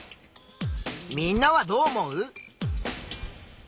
みんなはどう思う？